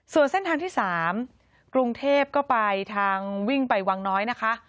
ส่วนเส้นทางที่๓กรุงเทพก็ไปทางวิ่งไปวังน้อยนะคะ